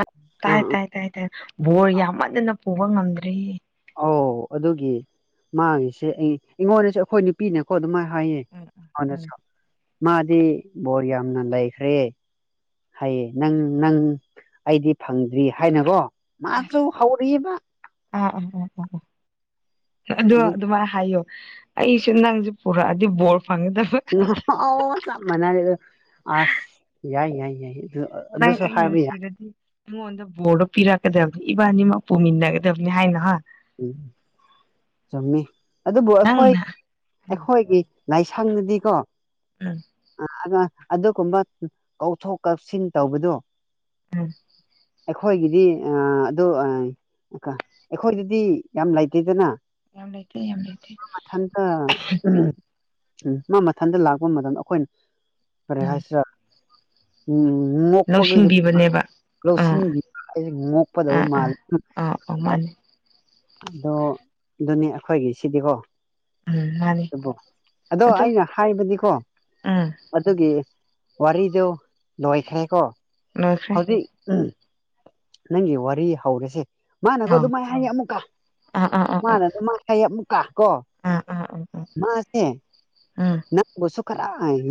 ꯑꯥ ꯇꯥꯏ ꯑꯥ ꯇꯥꯏ ꯇꯥꯏ ꯇꯥꯏ ꯕꯣꯔ ꯌꯥꯝꯃꯗꯅ ꯄꯨꯕ ꯉꯝꯗ꯭ꯔꯤ ꯑꯧ ꯑꯗꯨꯒꯤ ꯃꯥꯉꯁꯦ ꯑꯩ ꯑꯩꯉꯣꯟꯗꯁꯨ ꯑꯩꯈꯣꯏ ꯅꯨꯄꯤꯅꯀꯣ ꯑꯗꯨꯝꯥꯏ ꯍꯥꯏꯌꯦ ꯎꯝ ꯎꯝ ꯃꯥꯗꯤ ꯕꯣꯔ ꯌꯥꯝꯅ ꯂꯩꯈ꯭ꯔꯦ ꯍꯥꯏꯌꯦꯦ ꯅꯪ ꯅꯪ ꯑꯩꯗꯤ ꯐꯪꯗ꯭ꯔꯤ ꯍꯥꯏꯅꯅꯕꯣ ꯃꯥ꯭ꯔ ꯑꯁ ꯍꯧꯔꯤꯑꯌꯦꯕ ꯑꯣ ꯑꯗꯣ ꯑꯗꯨ ꯑꯗꯨꯃꯥꯏꯅ ꯍꯥꯏꯌꯣ ꯑꯩꯁꯨ ꯅꯪꯁꯦ ꯄꯨꯔꯛꯑꯗꯤ ꯕꯣꯔ ꯐꯪꯒꯗꯕ ꯃꯅꯥ ꯑꯁ ꯌꯥꯏ ꯌꯥꯏ ꯌꯥꯏ ꯑꯗꯨ ꯑꯗꯨꯁꯨ ꯍꯥꯏꯕ ꯌꯥꯏ ꯃꯤꯉꯣꯟꯗ ꯕꯣꯔꯗꯣ ꯄꯤꯔꯛꯀꯗꯕꯅꯤ ꯏꯕꯥꯅꯤꯃꯛ ꯄꯨꯃꯤꯟꯅꯒꯗꯕꯅꯤ ꯍꯥꯏꯅ ꯍꯣꯏ ꯎꯝ ꯆꯨꯝꯃꯤ ꯑꯗꯨꯕꯨ ꯑꯩꯈꯣꯏ ꯅꯪꯅ ꯎꯝ ꯑꯩꯈꯣꯏꯒꯤ ꯂꯥꯏꯁꯪꯗꯗꯤꯀꯣ ꯎꯝ ꯑ ꯑꯗꯨꯒꯨꯝꯕ ꯀꯧꯊꯣꯛ ꯀꯥꯎꯁꯤꯟ ꯇꯧꯕꯗꯣ ꯎꯝ ꯑꯩꯈꯣꯏꯒꯤꯗꯤ ꯑꯗꯨ ꯑꯩꯈꯣꯏꯗꯗꯤ ꯌꯥꯝ ꯂꯩꯇꯗꯅ ꯌꯥꯝ ꯂꯩꯇ ꯌꯥꯝ ꯂꯩꯇ ꯎꯝ ꯃꯥ ꯃꯊꯟꯇ ꯂꯥꯛꯄ ꯃꯇꯝꯗ ꯑꯩꯈꯣꯏꯅ ꯀꯔꯤ ꯍꯥꯏꯁꯤꯔꯥ ꯎꯝ ꯎꯝ ꯂꯧꯁꯤꯟꯕꯤꯕꯅꯦꯕ ꯑꯥ ꯂꯧꯁꯤꯟꯕꯤ ꯉꯣꯛꯄꯗꯕ ꯑꯥ ꯑꯥ ꯑꯥ ꯃꯥꯜꯂ ꯑꯧ ꯃꯥꯅꯤ ꯑꯗꯣ ꯑꯗꯨꯅꯤ ꯑꯩꯈꯣꯏꯒꯤ ꯁꯤꯗꯤꯀꯣ ꯎꯝ ꯃꯥꯅꯤ ꯑꯗꯨ ꯑꯗꯣ ꯑꯩꯅ ꯍꯥꯏꯕꯗꯤꯀꯣ ꯎꯝ ꯑꯗꯨꯒꯤ ꯋꯥꯔꯤꯗ ꯂꯣꯏꯈ꯭ꯔꯦꯀꯣ ꯂꯣꯏꯈ꯭ꯔꯦ ꯍꯧꯖꯤꯛ ꯅꯪꯒꯤ ꯋꯥꯔꯤ ꯍꯧꯔꯁꯦ ꯃꯥꯅꯀꯣ ꯑꯥꯎ ꯑꯗꯨꯃꯥꯏꯅ ꯍꯥꯏꯉ ꯑꯃꯨꯛꯀ ꯑꯥ ꯑꯥ ꯑꯥ ꯑꯥ ꯃꯨꯀꯥ ꯀꯣ ꯑꯥ ꯑꯥ ꯑꯥ ꯃꯥꯁꯦ ꯎꯝ ꯅꯪꯕꯨꯁꯨ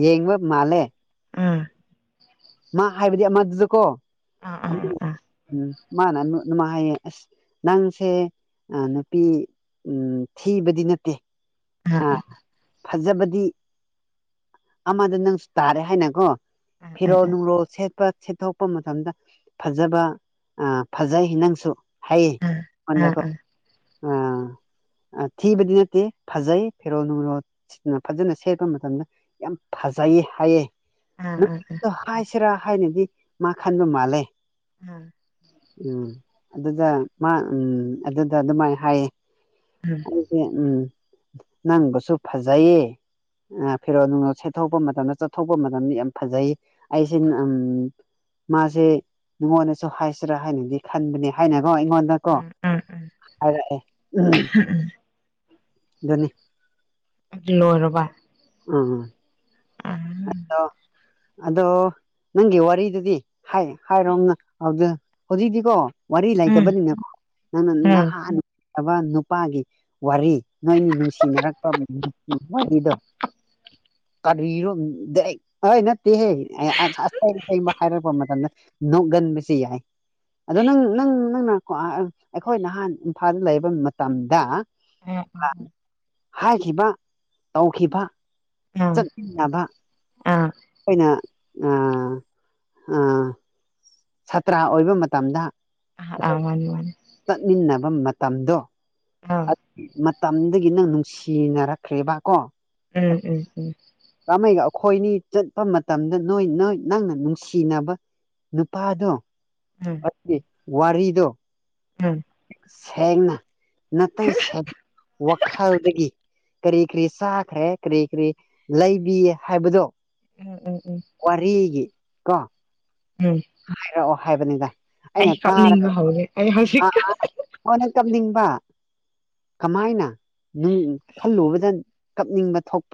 ꯌꯦꯡꯕ ꯃꯥꯂꯦ ꯎꯝ ꯃꯥ ꯍꯥꯏꯕꯗꯤ ꯑꯃꯗꯨꯁꯨꯀꯣ ꯎꯝ ꯃꯥꯅ ꯃꯥꯏ ꯍꯥꯏꯌꯦ ꯑꯁ ꯅꯪꯁꯦ ꯅꯨꯄꯤ ꯎꯝ ꯊꯤꯕꯗꯤ ꯅꯠꯇꯦ ꯎꯝ ꯑꯥ ꯎꯝ ꯐꯖꯕꯗꯤ ꯑꯃꯗ ꯅꯪꯁꯨ ꯇꯥꯔꯦ ꯍꯥꯏꯅꯀꯣ ꯐꯤꯔꯣꯜ ꯅꯨꯡꯔꯣꯜ ꯁꯦꯠꯄ ꯁꯤꯦꯠꯊꯣꯛꯄ ꯃꯇꯝꯗ ꯐꯖꯕ ꯐꯖ ꯍꯤ ꯅꯪꯁꯨ ꯍꯥꯏꯌꯦꯣ ꯑꯥ ꯊꯤꯕꯗꯤ ꯅꯠꯇꯦ ꯐꯖꯩ ꯐꯦꯔꯣꯜ ꯅꯨꯡꯔꯣꯜ ꯐꯖꯅ ꯁꯦꯠꯄ ꯃꯇꯝꯗ ꯌꯥꯝ ꯐꯖꯩꯌꯦ ꯍꯥꯏꯌꯦꯦ ꯅꯪ ꯍꯥꯏꯁꯤꯔꯥ ꯍꯥꯏꯅꯗꯤ ꯃꯥ ꯈꯟꯕ ꯃꯥꯜꯂꯦ ꯎꯝ ꯑꯗꯨꯗ ꯃꯥ ꯎꯝ ꯑꯗꯨꯗ ꯑꯗꯨꯃꯥꯏꯅ ꯍꯥꯏꯌꯦ ꯑꯩꯗꯤ ꯎꯝ ꯅꯪꯕꯨꯁꯨ ꯐꯖꯩꯌꯦ ꯐꯦꯔꯣꯜ ꯅꯨꯡꯣ ꯁꯦꯠꯇꯣꯛꯄ ꯃꯇꯝꯗ ꯆꯠꯊꯣꯛꯄ ꯃꯇꯝꯗ ꯌꯥꯝ ꯐꯖꯩ ꯑꯩꯁꯤ ꯎꯝ ꯃꯥꯁꯦ ꯉꯣꯟꯗꯁꯨ ꯍꯥꯏꯁꯤꯔꯥ ꯍꯥꯏꯅꯗꯤ ꯈꯟꯕꯅꯦ ꯍꯥꯏꯅ ꯑꯣ ꯑꯩꯉꯣꯟꯗꯀꯣ ꯍꯥꯏꯔꯛꯑꯦ ꯎꯝ ꯅꯤ ꯑꯗꯨ ꯂꯣꯏꯔꯕ ꯎꯝ ꯎꯗꯣ ꯑꯗꯣ ꯅꯪꯒꯤ ꯋꯥꯔꯤꯔꯤꯗꯨꯗꯤ ꯍꯥꯏ ꯍꯥꯏꯔꯣꯝꯅ ꯑꯗꯨꯗ ꯍꯧꯖꯤꯛꯗꯤꯀꯣ ꯋꯥꯔꯤꯔꯤ ꯎꯝ ꯂꯩꯥꯏꯇꯕꯅꯤꯅ ꯅ ꯅ ꯍꯥ ꯅꯨꯄꯥꯒꯤ ꯋꯥꯔꯤ ꯅꯣꯏꯅꯤ ꯅꯨꯡꯁꯤꯅꯔꯛꯄ ꯋꯥꯔꯤꯗꯣ ꯀꯔꯣꯝꯅ ꯇꯤꯍꯦ ꯑ ꯑꯕ ꯍꯥꯏꯔꯛꯄ ꯃꯇꯝꯗ ꯅꯣꯛꯒꯟꯕꯁ ꯌꯥꯏ ꯑꯗꯣ ꯅꯪ ꯅꯪ ꯅꯪꯅ ꯑꯩꯈꯣꯏ ꯅꯍꯥꯟ ꯏꯝꯐꯥꯜꯗ ꯂꯩꯔꯕ ꯃꯇꯝꯗ ꯍꯥꯏꯈꯤꯕ ꯇꯧꯈꯤꯕ ꯎꯝ ꯆꯠꯃꯤꯟꯅꯕ ꯑꯥ ꯑꯩꯈꯣꯏꯅ ꯑ ꯁꯥꯇ꯭ꯔꯥ ꯑꯣꯏꯕ ꯃꯇꯝꯗ ꯑꯥ ꯃꯥꯅꯤ ꯃꯥꯅꯤ ꯆꯠꯃꯤꯟꯅꯕ ꯃꯇꯝꯗꯣ ꯑꯥ ꯃꯇꯝꯗꯨꯗꯒꯤ ꯅꯪ ꯅꯨꯡꯁꯤꯅꯔꯛꯈ꯭ꯔꯦꯕ ꯀꯣ ꯎꯝ ꯎꯝ ꯎꯝ ꯈꯣꯏꯅꯤ ꯆꯠꯄ ꯃꯇꯝꯗ ꯅꯣꯏ ꯅꯣꯏ ꯅꯪꯅ ꯅꯨꯡꯁꯤꯅꯕ ꯅꯨꯄꯥꯗꯣ ꯑꯗꯨꯗꯤ ꯋꯥꯔꯤꯗꯣ ꯁꯦꯡꯅ ꯅꯥꯇꯩ ꯋꯥꯈꯜꯗꯒꯤ ꯀꯔꯤ ꯀꯔꯤ ꯆꯥꯈ꯭ꯔꯦ ꯀꯔꯤ ꯀꯔꯤ ꯂꯩꯕꯤ ꯍꯥꯏꯕꯗꯣ ꯎꯝ ꯎꯝ ꯎꯝ ꯋꯥꯔꯤꯒꯤ ꯀꯣ ꯎꯝ ꯍꯥꯏꯔꯛꯑꯣ ꯍꯥꯏꯕꯅꯤꯗ ꯑꯩꯅ ꯑꯩ ꯇꯥꯔꯒ ꯀꯞꯅꯤꯡꯕ ꯍꯧꯔꯦ ꯑꯩ ꯍꯧꯖꯤꯛ ꯑ ꯍꯟꯅ ꯇꯝꯅꯤꯡꯕ ꯀꯃꯥꯏꯅ ꯈꯜꯂꯨꯕꯗ ꯀꯞꯅꯤꯡꯕ ꯊꯣꯛ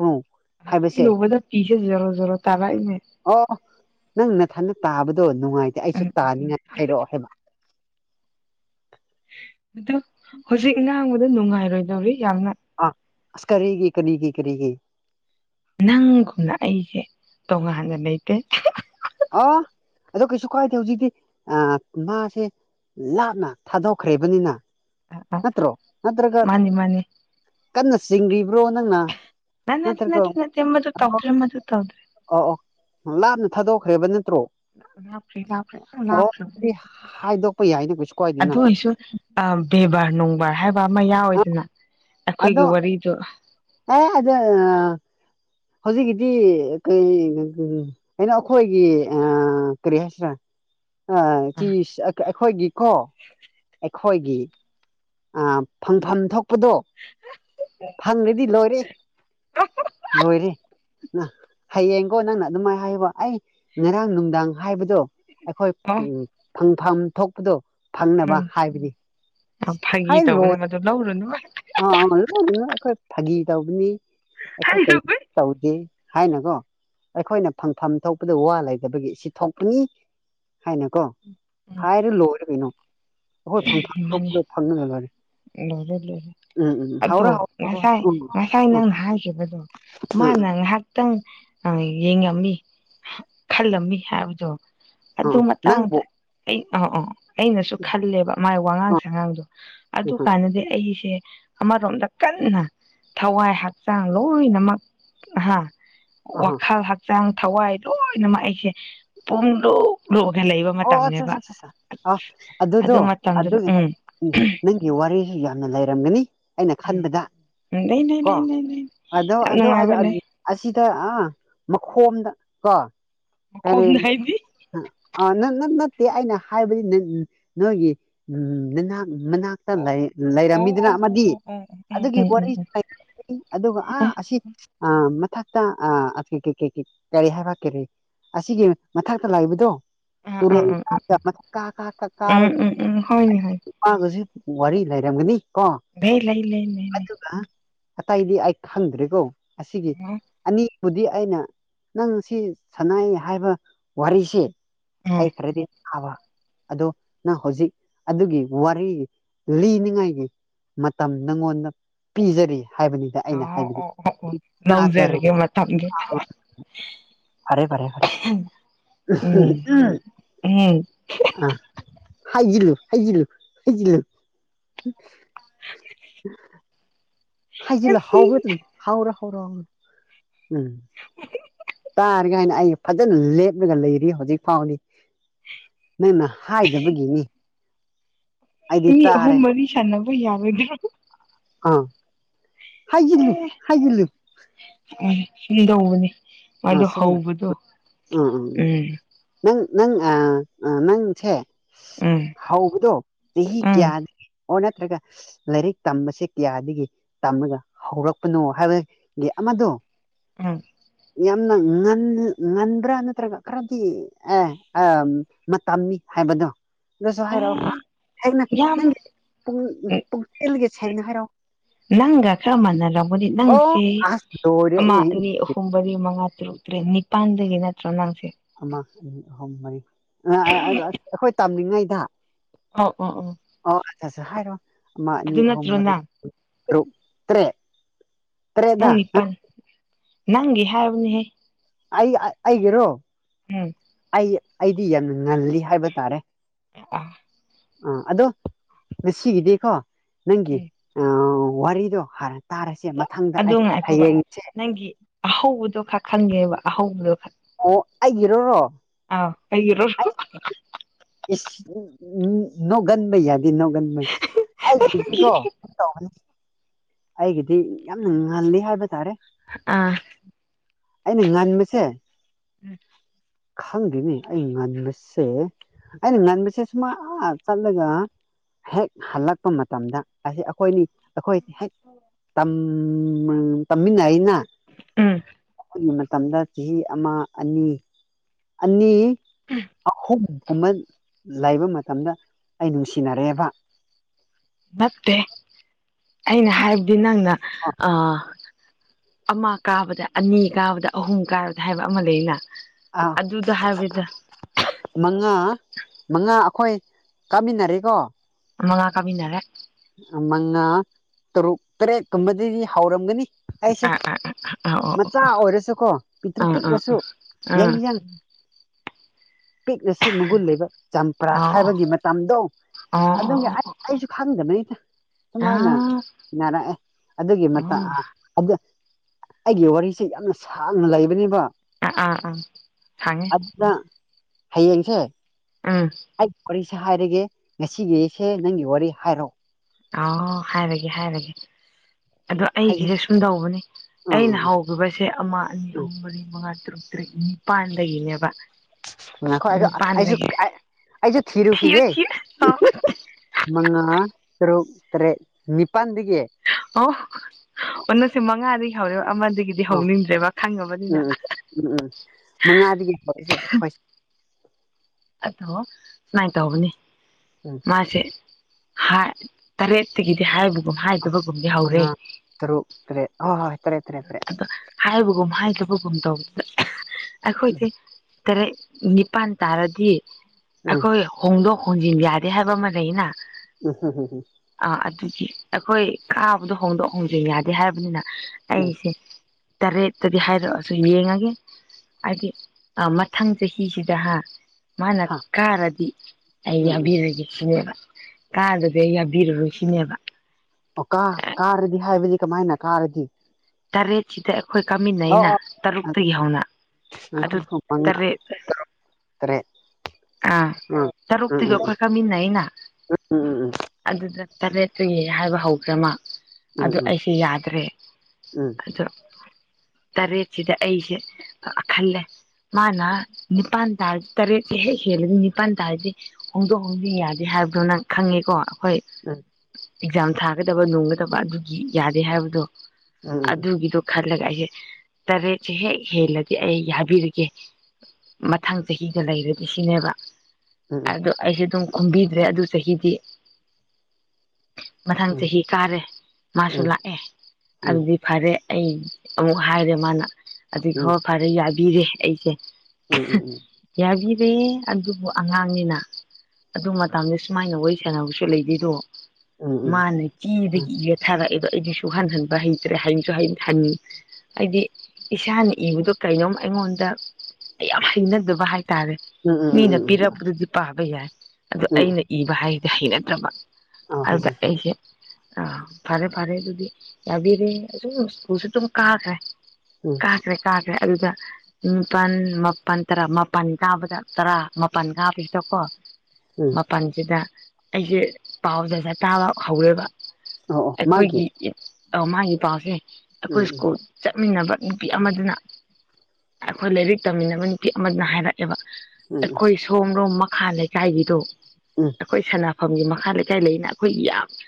ꯂ ꯄꯤꯤꯁꯦ ꯖꯔꯣ ꯖꯔꯣ ꯇꯔ ꯏꯃꯦ ꯑꯣ ꯅꯪ ꯅꯊꯟꯅ ꯇꯥꯕꯗꯣ ꯅꯨꯡꯉꯥꯏꯇꯦ ꯑꯩꯁꯨ ꯇꯥꯅꯤꯡꯉꯥꯏꯅ ꯍꯥꯏꯔꯛꯑꯣ ꯍꯥꯏꯕ ꯑ ꯍꯧꯖꯤꯛ ꯉꯥꯡꯕꯗ ꯅꯨꯡꯉꯥꯏꯔꯣꯏꯗꯧꯔꯤ ꯌꯥꯝ ꯑꯥ ꯑ ꯀꯦꯒꯤ ꯀꯔꯤꯒꯤ ꯀꯔꯤꯒꯤ ꯅꯪꯒꯨꯝꯅ ꯑꯩꯁꯦ ꯇꯣꯉꯥꯟꯅ ꯂꯩꯇꯦ ꯑ ꯑꯣ ꯀꯩꯁꯨ ꯀꯥꯏꯗꯦ ꯍꯧꯖꯤꯛꯇꯤ ꯃꯥꯁꯦ ꯂꯥꯞꯅ ꯊꯥꯗꯣꯛꯈ꯭ꯔꯦꯕꯅꯤꯅ ꯑ ꯑ ꯅꯠꯇ꯭ꯔꯣ ꯅꯠꯇ꯭ꯔꯒ ꯃꯥꯅꯤ ꯃꯥꯅꯤ ꯀꯟꯅ ꯆꯤꯡꯔꯤꯕ꯭ꯔꯣ ꯅꯪꯅ ꯅ ꯅꯠꯇꯦ ꯅꯠꯇ꯭ꯔꯦꯀꯣ ꯅꯠꯇꯦ ꯅꯠꯇꯦ ꯃꯗꯨ ꯑꯣ ꯇꯧꯗ꯭ꯔꯦ ꯃꯗꯨ ꯇꯧꯗ꯭ꯔꯦ ꯑꯣ ꯂꯥꯞꯅ ꯊꯥꯗꯣꯛꯈ꯭ꯔꯦꯕ ꯅ ꯅꯠꯇ꯭ꯔꯣ ꯂꯥꯞꯈ꯭ꯔꯦ ꯂꯥꯞꯈ꯭ꯔꯦ ꯌꯥꯝ ꯑꯣ ꯂꯥꯞꯈ꯭ꯔꯕꯅꯦ ꯑꯗꯨꯗꯤ ꯍꯥꯏꯗꯣꯛꯄ ꯌꯥꯏꯅ ꯀꯩꯁꯨ ꯀꯏꯗꯅ ꯑꯗꯨ ꯑꯣꯏꯁꯨ ꯕꯦꯕꯥꯔ ꯅꯨꯡꯕꯥꯔ ꯍꯥꯏꯕ ꯑꯃ ꯌꯥꯎꯋꯦꯗꯅ ꯑꯩꯈꯣꯏꯒꯤ ꯋꯥꯔꯤꯗꯨ ꯑ ꯑꯗ ꯑ ꯍꯧꯖꯤꯛꯀꯤꯗꯤ ꯀ ꯎ ꯑꯩꯅ ꯑꯩꯈꯣꯏꯒꯤ ꯀꯔꯤ ꯍꯥꯏꯁꯤꯔꯥ ꯑ ꯆ ꯑꯩꯈꯣꯏꯒꯤꯀꯣ ꯑꯩꯈꯣꯏꯒꯤ ꯐꯪꯐꯝ ꯊꯣꯛ ꯄꯗꯣ ꯐꯪꯂꯪꯂꯗꯤ ꯂꯣꯏꯔꯦ ꯂꯣꯏꯣꯏꯔꯤ ꯑ ꯍꯌꯦꯡꯀꯣ ꯅꯪꯅ ꯑꯗꯨꯃꯥꯏꯅ ꯍꯥꯏꯕ ꯑꯩ ꯉꯔꯥꯡ ꯅꯨꯡꯗꯥꯡ ꯍꯥꯏꯕꯗꯣ ꯑꯩꯈꯣꯏ ꯑꯣ ꯐꯪꯐꯝ ꯊꯣꯛꯄꯗꯣ ꯐꯪꯅꯕ ꯎꯝ ꯍꯥꯏꯕꯅꯤ ꯐꯥꯒꯤ ꯇꯧꯕꯅꯦ ꯑꯗꯨ ꯂꯧꯔꯨꯅꯨ ꯑ ꯑꯩꯈꯣꯏ ꯐꯥꯒꯤ ꯇꯧꯕꯅꯤ ꯑꯩꯈꯣꯏ ꯀꯩ ꯍꯥꯏꯔꯣꯏ ꯇꯧꯗꯦ ꯍꯥꯏꯅꯀꯣ ꯑꯩꯈꯣꯏꯅ ꯐꯪꯐꯝ ꯊꯣꯛꯄꯗ ꯋꯥ ꯂꯩꯗꯕꯒꯤ ꯏ ꯊꯣꯛꯄꯅꯤ ꯍꯥꯏꯅꯀꯣ ꯎꯝ ꯍꯥꯏꯔ ꯂꯣꯏꯔ ꯃꯤꯅꯣ ꯑꯩꯈꯣꯏ ꯐ ꯃꯥꯅꯦ ꯊꯣꯛꯄꯗ ꯐꯪꯅꯦ ꯂꯣꯏꯔꯦ ꯂꯣꯏꯔꯦ ꯎꯝ ꯎꯝ ꯑꯗꯣ ꯍꯧꯔꯣ ꯍꯧꯔꯣ ꯍꯧꯔꯣ ꯉꯁꯥꯏ ꯎꯝ ꯉꯁꯥꯏ ꯎꯝ ꯅꯪꯅ ꯍꯥꯏꯈꯤꯕꯗꯣ ꯎꯝ ꯎꯝ ꯃꯥꯅꯪ ꯉꯩꯍꯥꯛꯇꯪ ꯑ ꯌꯦꯡꯉꯝꯃꯤ ꯈꯜꯂꯝꯃꯤ ꯍꯥꯏꯕꯗꯣ ꯑꯗꯨ ꯎꯝ ꯅꯪꯕꯨ ꯃꯇꯥꯡꯗ ꯑꯩ ꯑ ꯑ ꯑꯩꯅꯁꯨ ꯈꯜꯂꯦꯕ ꯃꯥꯏ ꯋꯥꯉꯥꯡ ꯑꯥ ꯁꯉꯥꯡꯗꯣ ꯑꯗꯨꯀꯥꯟꯅꯗꯤ ꯑꯩꯁꯦ ꯑꯃꯔꯣꯝꯗ ꯀꯟꯅ ꯊꯋꯥꯏ ꯍꯛꯆꯥꯡ ꯂꯣꯏꯅꯃꯛ ꯍꯥ ꯑꯥ ꯋꯥꯈꯜ ꯍꯛꯆꯥꯡ ꯊꯋꯥꯏ ꯂꯣꯏꯅꯃꯛ ꯑꯩꯁꯦ ꯄꯨꯡ ꯂ ꯂ ꯑꯣ ꯑꯆꯥ ꯑ ꯑꯗꯨꯗꯣ ꯑꯗꯨ ꯃꯇꯝꯗꯨꯗ ꯑꯗꯨꯒꯤ ꯎꯝ ꯅꯪꯒꯤ ꯋꯥꯔꯤꯁꯨ ꯌꯥꯝꯅ ꯂꯩꯔꯝꯒꯅꯤ ꯑꯩꯅ ꯎꯝ ꯈꯟꯕꯗ ꯂꯩ ꯂꯩ ꯀꯣ ꯂꯩ ꯂꯩ ꯂꯩ ꯑꯣ ꯌꯥꯝ ꯑꯣ ꯅꯨꯡꯉꯥꯏꯕ ꯂꯩ ꯑ ꯃꯈꯣꯝꯗ ꯀ ꯃ ꯀꯣꯝꯅ ꯍꯥꯏꯗꯤ ꯑ ꯅꯠꯇꯦ ꯑꯩꯅ ꯍꯥꯏꯕꯗꯤ ꯅꯣꯏꯒꯤ ꯅ ꯃꯅꯥꯛꯇ ꯑꯣ ꯑꯣ ꯂꯩꯔꯝꯃꯤꯗꯅ ꯑꯃꯗꯤ ꯑꯣ ꯑꯣ ꯑꯣ ꯑꯣ ꯎꯝ ꯑꯗꯨꯒꯤ ꯎꯝ ꯎꯝ ꯋꯥꯔꯤ ꯎꯝ ꯑꯗꯨꯒ ꯑꯥ ꯑꯁꯤꯅꯤ ꯑ ꯃꯊꯛꯇ ꯑ ꯀꯩ ꯀꯩꯩ ꯀꯔꯤ ꯍꯥꯏꯕ ꯀꯔꯤ ꯑꯁꯤꯒꯤ ꯃꯊꯛꯇ ꯂꯥꯛꯏꯕꯗꯣ ꯑꯥ ꯇꯨꯔꯦꯟꯔ ꯑꯥ ꯑꯥ ꯎꯝ ꯎꯝ ꯎꯝ ꯍꯣꯏꯅꯦ ꯍꯣꯏ ꯋꯥꯔꯤ ꯂꯩꯔꯝꯒꯅꯤ ꯀꯣ ꯂꯩ ꯂꯩ ꯂꯩꯅꯦ ꯑꯗꯨꯒ ꯑꯇꯩꯗꯤ ꯑꯩ ꯈꯪꯗ꯭ꯔꯦꯀꯣ ꯑꯁꯤꯒꯤ ꯎꯝ ꯑꯅꯤ ꯗꯤ ꯑꯩꯅ ꯅꯪ ꯁꯤ ꯁꯅꯥꯏ ꯍꯥꯏꯕ ꯋꯥꯔꯤꯁꯤꯦ ꯎꯝ ꯑꯩ ꯈꯔꯦꯗꯤ ꯊꯕ ꯑꯗꯣ ꯅꯪ ꯍꯧꯖꯤꯛ ꯑꯗꯨꯒꯤ ꯋꯥꯔꯤ ꯂꯤꯅꯤꯡꯉꯥꯏꯒꯤ ꯃꯇꯝ ꯅꯪꯉꯣꯟꯗ ꯄꯤꯖꯔꯤ ꯍꯥꯏꯕꯅꯤꯗ ꯑꯩꯅ ꯑꯣ ꯍꯥꯏꯕꯗꯤ ꯑꯣ ꯑꯣ ꯑꯣ ꯇꯥꯖꯔꯒꯦ ꯂꯧꯖꯔꯒꯦ ꯃꯇꯝꯒꯤ ꯐꯔꯦ ꯐꯔꯦ ꯐꯔꯦ ꯎꯝ ꯎꯝ ꯎꯝ ꯍꯖꯂꯨ ꯍꯖꯂꯨ ꯍꯖꯨ [unintelligible] ꯍꯖꯤꯂ ꯑꯁ ꯍꯥꯎꯕ꯭ꯔ ꯑꯗꯨ ꯍꯥꯎꯔ ꯍꯥꯎꯔ ꯍꯥꯎ ꯎꯝ ꯇꯥꯔꯒ ꯍꯥꯏꯅ ꯑꯩ ꯐꯖꯅ ꯂꯦꯞꯂꯒ ꯂꯩꯔꯤ ꯍꯧꯖꯤꯛ ꯐꯥꯎꯗꯤ ꯅꯪꯅ ꯍꯥꯏꯗꯕꯒꯤꯅꯤ ꯑꯩꯗꯤ ꯃꯤ ꯑꯍꯨꯝ ꯇꯥꯔꯦ ꯃꯔꯤ ꯁꯥꯟꯅꯕ ꯌꯥꯔꯣꯏꯗ꯭ꯔꯥ ꯑꯥ ꯍꯥꯏꯒꯂꯨ ꯍꯥꯏꯒꯂꯨ ꯍꯨꯝꯗꯧꯕꯅꯤ ꯃꯥꯗꯣ ꯁꯣꯝꯅ ꯍꯧꯕꯗꯣ ꯎꯝ ꯅꯪ ꯅꯪ ꯅꯪꯁꯦ ꯎꯝ ꯍꯧꯕꯗꯣ ꯆꯍꯤ ꯎꯝ ꯀꯌꯥꯗ ꯑꯣꯔ ꯅꯠꯇ꯭ꯔꯒ ꯂꯥꯏꯔꯤꯛ ꯇꯝꯕꯁꯦ ꯀꯌꯥꯗꯒꯤ ꯇꯝꯃꯒ ꯍꯧꯔꯛꯄꯅꯣ ꯍꯥꯏꯕꯒꯤ ꯃꯗꯣ ꯎꯝ ꯌꯥꯝꯅ ꯉꯟꯕ꯭ꯔꯥ ꯅꯠꯇ꯭ꯔꯒ ꯈꯔꯗꯤ ꯑꯦ ꯃꯇꯝ ꯗꯨ ꯑꯗꯨꯁꯨ ꯑꯦ ꯍꯥꯏꯔꯛꯑꯣꯅ ꯌꯥꯝ ꯅꯪꯒꯤ ꯄꯨꯡ ꯄꯨꯡ ꯇꯦꯜꯒꯤꯁ ꯑꯩꯅ ꯍꯥꯏꯔꯛꯑꯣ ꯅꯪꯒ ꯈꯔ ꯃꯥꯟꯅꯔꯒꯗꯤ ꯑꯣ ꯅꯪꯁꯦ ꯑꯁ ꯂꯣꯏꯔꯦ ꯑꯃ ꯑꯦ ꯑꯅꯤ ꯑꯍꯨꯝ ꯃꯔꯤ ꯃꯉꯥ ꯭ꯔꯦ ꯅꯤꯄꯥꯟꯗꯒꯤ ꯅꯠꯇ꯭ꯔ ꯅꯪ ꯑꯍꯨꯝ ꯃꯔꯤ ꯑꯩꯈꯣꯏ ꯇꯝꯂꯤꯉꯩꯗ ꯑ ꯑ ꯑ ꯆꯁ ꯍꯥꯏꯔꯣ ꯑꯃ ꯑꯅꯤ ꯑꯍꯨꯝ ꯃꯔꯤ ꯅꯪ ꯇꯔꯨꯛ ꯇꯔꯦꯠ ꯇ꯭ꯔꯦꯗ ꯅꯪ ꯅꯤꯄꯥꯜ ꯅꯪꯒꯤ ꯍꯥꯏꯕꯅꯤꯍꯦ ꯑꯩ ꯑꯩꯒꯤꯦꯔꯣ ꯎꯝ ꯑꯩ ꯑꯩꯗꯤ ꯌꯥꯝꯅ ꯉꯜꯂꯤ ꯍꯥꯏꯕ ꯇꯥꯔꯦ ꯑ ꯑꯥ ꯑꯗꯣ ꯉꯁꯤꯒꯤꯗꯤꯀꯣ ꯅꯪꯒꯤ ꯎꯝ ꯋꯥꯔꯤꯗꯣ ꯍꯥꯏꯔ ꯑꯗ ꯑꯗꯨ ꯉꯥꯏꯈꯣꯕ ꯅꯪꯒꯤ ꯑꯍꯧꯕꯗꯣ ꯈꯔ ꯈꯪꯒꯦꯕ ꯑꯍꯧꯕꯗꯣ ꯈ ꯑꯣ ꯑꯩꯒꯤꯔꯔꯣ ꯑꯩꯔꯣ ꯎꯝ ꯎꯝ ꯅꯣꯒꯟꯕ ꯌꯥꯗꯤ ꯅꯣꯒꯟꯕꯩ ꯑꯩꯒꯤꯗꯤꯦꯀꯣ ꯑꯩꯒꯤꯗꯤ ꯌꯥꯝꯅ ꯉꯜꯂꯤ ꯍꯥꯏꯕ ꯇꯥꯔꯦ ꯑꯥ ꯑꯩꯅ ꯉꯟꯕꯁꯦ ꯎꯝ ꯈꯪꯈꯤꯅꯦ ꯑꯩ ꯉꯟꯃꯤꯠꯁꯦ ꯑꯩꯅ ꯃꯦꯟꯕꯤꯁꯦꯁ ꯃꯥ ꯆꯠꯂꯒ ꯍꯦꯛ ꯍꯜꯂꯛꯄ ꯃꯇꯝꯗ ꯑꯩꯈꯣꯏꯅꯤ ꯑꯩꯈꯣꯏ ꯍꯦꯛ ꯇꯝꯃꯤꯟꯅꯔꯤꯅ ꯎꯝ ꯃꯇꯝꯗ ꯆꯍꯤ ꯑꯃ ꯑꯅꯤ ꯑꯅꯤ ꯑꯍꯨꯝ ꯂꯩꯕ ꯃꯇꯝꯗ ꯑꯩ ꯅꯨꯡꯁꯤꯅꯔꯛꯦꯕ ꯅꯠꯇꯦ ꯑꯩꯅ ꯍꯥꯏꯕꯗꯤ ꯅꯪꯅ ꯑ ꯑꯃ ꯀꯥꯕꯗ ꯑꯅꯤ ꯀꯥꯕꯗ ꯑꯍꯨꯝ ꯀꯥꯕꯗ ꯍꯥꯏꯕ ꯑꯃ ꯂꯩꯅ ꯑꯥ ꯑꯗꯨꯗ ꯍꯥꯏꯕꯗ ꯃꯉꯥ ꯃꯉꯥ ꯑꯩꯈꯣꯏ ꯀꯥꯃꯤꯟꯅꯔꯦꯀꯣ ꯃꯉ ꯀꯃꯤꯅꯔꯦ ꯃꯉꯥ ꯇꯔꯨꯛ ꯇꯔꯦꯠꯀꯨꯝꯕꯗꯗꯤ ꯍꯧꯥꯎꯔꯝꯒꯅꯤ ꯑꯩꯁꯦ ꯑꯥ ꯑꯥ ꯑꯥ ꯑꯣ ꯑꯣ ꯑꯣ ꯑꯥ ꯑꯥ ꯑꯥ ꯑꯥ ꯑꯣ ꯑꯣ ꯑꯣ ꯑꯣ ꯑꯥ ꯃꯆꯥ ꯑꯣꯏꯔꯁꯨꯀꯣ ꯄꯤꯛꯇ꯭ꯔꯨ ꯄꯤꯛꯂꯁꯨ ꯌꯥꯪ ꯌꯥꯪ ꯄꯤꯛꯂꯁꯨ ꯃꯒꯨꯟ ꯂꯩꯕ ꯆꯝꯄ꯭ꯔꯥ ꯍꯥꯏꯕꯒꯤ ꯃꯇꯝꯗꯣ ꯑꯗꯨꯝꯒꯤ ꯑꯩ ꯑꯩꯁꯨ ꯈꯪꯗꯅ ꯁꯨꯃꯥꯏꯅꯟꯅꯔꯛꯑꯦ ꯑꯗꯨꯒꯤ ꯃꯇ ꯑꯣ ꯑꯩꯒꯤ ꯋꯥꯔꯤꯁꯦ ꯌꯥꯝꯅ ꯁꯥꯡꯅ ꯂꯩꯕꯅꯦꯕ ꯑꯥ ꯑꯥ ꯑꯥ ꯁꯥꯡꯉꯦ ꯍꯩꯌꯦꯡꯁꯦ ꯑꯩ ꯋꯥꯔꯤꯁꯦ ꯍꯥꯏꯔꯒꯦ ꯉꯁꯤꯒꯤꯁꯦ ꯅꯪꯒꯤ ꯋꯥꯔꯤ ꯍꯥꯏꯔꯛꯑꯣ ꯑ ꯈꯥꯏ ꯂꯒꯦ ꯈꯥꯏ ꯂꯒꯦ ꯑꯗꯣ ꯍꯥꯏꯖꯤ ꯑꯩꯒꯤꯁꯦ ꯁꯨꯝꯗꯧꯕꯅꯤ ꯎꯝ ꯑꯩꯅ ꯎꯝ ꯎꯝ ꯍꯧꯈꯤꯕꯁꯦ ꯑꯃ ꯑꯅꯤ ꯑꯍꯨꯝ ꯃꯔꯤ ꯃꯉꯥꯅꯤ ꯎ ꯎꯛꯇꯔ ꯏꯄꯥꯥꯟꯗ ꯏꯅꯕ ꯈꯣ ꯑꯩꯁꯨ ꯑꯩꯁꯨ ꯑꯩꯁꯨ ꯊꯤꯌꯨ ꯊꯤꯔꯨꯈꯤꯒꯦ ꯊꯤꯌꯨ ꯑꯣ ꯃꯉꯔꯣ ꯇꯔꯦ ꯅꯤꯡꯅꯤꯄꯥꯟꯗꯒ ꯑꯣ ꯎꯁꯤ ꯃꯉꯥꯗꯒꯤ ꯍꯧꯔꯦ ꯑꯃ ꯁꯤꯒꯤꯗꯤ ꯑꯥ ꯍꯧꯅꯤꯡꯗ꯭ꯔꯦꯕ ꯈꯪꯉꯕꯅꯤꯅ ꯎꯝ ꯁꯣꯏ ꯑꯗꯣ ꯁꯨꯃꯥꯏꯅ ꯇꯧꯕꯅꯤ ꯎꯝ ꯃꯥꯁꯦ ꯇꯔꯦꯠꯇꯒꯤꯗꯤ ꯍꯥꯏꯕꯒꯨꯝ ꯑ ꯍꯥꯏꯗꯕꯒꯨꯝꯗꯤ ꯍꯧꯔꯦ ꯃꯉꯥ ꯇꯔꯨꯛ ꯇꯔꯦꯠ ꯍꯣꯏ ꯍꯣꯏ ꯇꯔꯦꯠ ꯇꯔꯦꯠ ꯇꯔꯦꯠ ꯑꯗꯣ ꯍꯥꯏꯕꯒꯨꯝ ꯍꯥꯏꯗꯕꯒꯨꯝ ꯇꯧꯕꯁꯤꯗ ꯎꯝ ꯎꯝ ꯎꯝ ꯑꯩꯈꯣꯏꯁꯦ ꯇꯔꯦꯠ ꯅꯤꯄꯜ ꯇꯥꯔꯗꯤ ꯑꯩꯈꯣꯏ ꯍꯣꯡꯗꯣꯛ ꯍꯣꯡꯖꯤꯟ ꯌꯥꯗꯦ ꯍꯥꯏꯕ ꯑꯃ ꯂꯩꯅ ꯎꯝ ꯍꯝ ꯑꯗꯨꯗꯤ ꯑꯩꯈꯣꯏ ꯀꯥꯕꯗꯣ ꯍꯣꯡꯗꯣꯛ ꯍꯣꯡꯖꯤꯟ ꯌꯥꯗꯦ ꯍꯥꯏꯕꯅꯤꯅ ꯎꯝ ꯑꯩꯁꯦ ꯇꯔꯦꯠꯇꯗꯤ ꯍꯥꯏꯔꯛꯑꯁꯨ ꯌꯦꯡꯉꯒꯦ ꯍꯥꯏꯗꯤ ꯃꯊꯪ ꯆꯍꯤꯁꯤꯗ ꯍꯥ ꯃꯥꯅ ꯍꯥ ꯀꯥꯔꯗꯤ ꯑꯩ ꯎꯝ ꯎꯝ ꯌꯥꯕꯤꯔꯒꯦ ꯁꯤꯅꯦꯕ ꯀꯥꯗꯗꯤ ꯑꯩ ꯌꯥꯕꯤꯔꯔꯣꯏ ꯁꯤꯅꯦꯕ ꯑꯣ ꯀꯥ ꯀꯥꯔꯗꯤ ꯍꯥꯏꯕꯗꯤ ꯀꯃꯥꯏꯅ ꯀꯥꯔꯗꯤ ꯇꯔꯦꯠꯁꯤꯗ ꯑꯩꯈꯣꯏ ꯀꯥꯃꯤꯟꯅꯩꯅ ꯇꯔꯨꯛꯇꯒꯤ ꯍꯧꯅ ꯑꯗꯨ ꯑ ꯄꯉ ꯇꯔꯦꯠ ꯇꯔ ꯑꯥ ꯇꯔꯨꯛꯇꯨꯒ ꯑꯩꯈꯣꯏ ꯀꯥꯃꯤꯟꯅꯩꯩꯅ ꯎꯝ ꯑꯗꯨꯗ ꯇꯔꯦꯠ ꯒꯤ ꯍꯥꯏꯕ ꯍꯧꯈ꯭ꯔꯃ ꯑ ꯎꯝ ꯎꯝ ꯑꯗꯨ ꯑꯩꯁꯨ ꯌꯥꯗ꯭ꯔꯦ ꯎꯝ ꯎꯝ ꯑꯗꯣ ꯇꯔꯦꯠꯁꯤꯗ ꯑꯩꯁꯦ ꯈꯜꯂꯦ ꯃꯥꯅ ꯅꯤꯄꯥꯥꯟ ꯇꯥꯔꯗꯤ ꯇꯔꯦꯠ ꯍꯦꯛ ꯍꯦꯛ ꯍꯦꯜꯂꯗꯤ ꯅꯤꯄꯥꯟ ꯇꯥꯔꯗꯤ ꯍꯣꯡꯗꯣꯛ ꯍꯣꯡꯖꯤꯟ ꯌꯥꯗꯦ ꯍꯥꯏꯕꯗꯣ ꯅꯪ ꯈꯪꯉꯦꯀꯣ ꯍꯣꯏ ꯑꯦꯛꯖꯥꯝ ꯊꯥꯒꯗꯕ ꯅꯣꯡꯒꯗꯕ ꯑꯗꯨꯒꯤ ꯌꯥꯗꯦ ꯍꯥꯏꯕꯗꯣ ꯎꯝ ꯎꯝ ꯎꯝ ꯑꯗꯨꯒꯤꯗꯣ ꯈꯔ ꯈꯜꯂꯒ ꯑꯩꯁꯦ ꯇꯔꯦꯠꯁꯦ ꯍꯦꯛ ꯍꯦꯜꯂꯗꯤ ꯑꯩ ꯌꯥꯕꯤꯔꯒꯦ ꯃꯊꯪ ꯆꯍꯤꯒ ꯂꯩꯔꯗꯤ ꯁꯤꯅꯦꯕ ꯎꯝ ꯑꯗꯨ ꯑꯩꯁꯨ ꯑꯗꯨꯝ ꯈꯨꯝꯕꯤꯗ꯭ꯔꯦ ꯑꯗꯨ ꯆꯍꯤꯗꯤ ꯃꯊꯪ ꯆꯍꯤ ꯀꯥꯔꯦ ꯃꯥꯁꯨ ꯎꯝ ꯎꯝ ꯎꯝ ꯎꯝ ꯎꯝ ꯎꯝ ꯂꯥꯛꯑꯦ ꯎꯝ ꯑꯗꯨꯗꯤ ꯐꯔꯦ ꯑꯩ ꯑꯃꯨꯛ ꯍꯥꯏꯔꯦ ꯃꯥꯅ ꯑꯗꯨꯒꯤ ꯈꯔꯥ ꯐꯔꯦ ꯌꯥꯕꯤꯔꯦ ꯑꯩꯁꯦ ꯌꯥꯕꯤ ꯔꯦ ꯑꯗꯨꯕꯨ ꯑꯉꯥꯡꯅꯤꯅ ꯑꯗꯨ ꯃꯇꯝꯗ ꯁꯨꯃꯥꯏꯅ ꯋꯥꯔꯤ ꯁꯥꯟꯅꯕꯁꯨ ꯂꯩꯗꯦꯗꯣ ꯃꯥꯅꯦ ꯀꯤꯗꯒꯤ ꯌꯦ ꯑꯥ ꯑꯩꯗꯤꯁꯨ ꯁꯨꯛꯍꯟ ꯍꯟꯕ ꯍꯩꯇ꯭ꯔꯦ ꯍꯩꯁꯨ ꯍꯩ ꯍꯟ ꯍꯥꯏꯗꯤ ꯏꯁꯥꯅ ꯏꯕꯗꯣ ꯀꯩꯅꯣꯝ ꯑꯩꯉꯣꯟꯗ ꯌꯥꯝ ꯍꯩꯅꯗꯕ ꯍꯥꯏꯇꯥꯔꯦ ꯎꯝ ꯎꯝ ꯎꯝ ꯃꯤꯅ ꯄꯤꯔꯛꯄꯗꯨꯗꯤ ꯄꯥꯕ ꯌꯥꯏ ꯑꯗꯨ ꯑꯩꯅ ꯏꯕ ꯍꯥꯏꯁꯤꯗꯤ ꯍꯩꯅꯗ꯭ꯔꯕ ꯑ ꯑꯗꯨꯒꯥ ꯍꯧꯖꯤꯛ ꯑꯩꯁꯦ ꯑ ꯐꯔꯦ ꯐꯥꯔꯦ ꯑꯗꯨꯨꯗꯤ ꯌꯥꯕꯤꯔꯦ ꯑꯁꯨꯝ ꯏꯁꯀꯨꯜꯁꯨ ꯑꯗꯨꯝ ꯀꯥꯈꯔꯦ ꯎꯝ ꯀꯥꯈ꯭ꯔꯦ ꯀꯥꯈ꯭ꯔꯦ ꯑꯗꯨꯗ ꯅꯤꯄꯥꯜ ꯃꯥꯄꯜ ꯇꯔꯥ ꯃꯥꯄꯜ ꯀꯥꯕꯗ ꯇꯔꯥ ꯃꯥꯄꯜ ꯀꯥꯕꯁꯤꯗ ꯀꯣ ꯎꯝ ꯃꯥꯄꯜꯁꯤꯗ ꯑꯩꯁꯦ ꯄꯥꯎ ꯆꯥꯖꯠ ꯇꯥꯕꯥ ꯍꯧꯔꯦꯕ ꯑꯣ ꯑꯣ ꯃꯥꯒꯤ ꯑꯩꯈꯣꯏꯒꯤ ꯑ ꯃꯥꯒꯤ ꯄꯥꯎꯁꯦ ꯎꯝ ꯎꯝ ꯑꯩꯈꯣꯏ ꯁ꯭ꯀꯨꯜ ꯆꯠꯃꯤꯟꯅꯕ ꯅꯨꯄꯤ ꯑꯃꯗꯨꯅ ꯑꯩꯈꯣꯏ ꯂꯥꯏꯔꯤꯛ ꯇꯝꯃꯤꯟꯅꯕ ꯅꯨꯄꯤ ꯑꯃꯗꯨꯅ ꯍꯥꯏꯔꯛꯑꯦꯕ ꯎꯝ ꯎꯝ ꯎꯝ ꯑꯩꯈꯣꯏ ꯁꯣꯝꯂꯣꯝ ꯃꯈꯥ ꯂꯩꯀꯥꯏꯒꯤꯗꯣ ꯑꯩꯈꯣꯏ ꯁꯅ ꯃꯐꯝꯒꯤ ꯃꯈꯥ ꯂꯩꯀꯥꯏ ꯂꯩꯅ ꯑꯩꯈꯣꯏꯒꯤ ꯌꯥꯝ